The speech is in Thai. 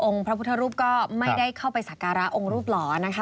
องค์พระพุทธรูปก็ไม่ได้เข้าไปศักราะองค์รูปหรอ